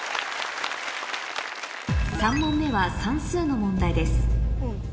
３問目はの問題です